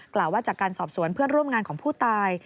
กล่าวว่าจากการสอบสวนเพื่อนร่วมงานของผู้ตาย